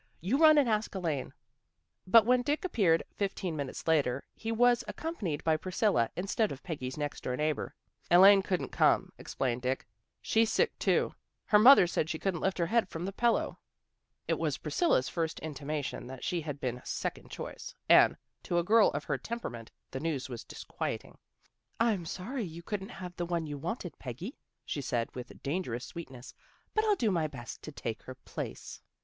You run and ask Elaine." But when Dick appeared fifteen minutes later he was accompanied by Priscilla in stead of Peggy's next door neighbor. " Elaine couldn't come," explained Dick. " She's sick, 230 THE GIRLS OF FRIENDLY TERRACE too. Her mother said she couldn't lift her head from the pillow." It was Priscilla's first intimation that she had been second choice, and, to a girl of her tem perament, the news was disquieting. "I'm. sorry you couldn't have the one you wanted, Peggy," she said, with dangerous sweetness. " But I'll do my best to take her place."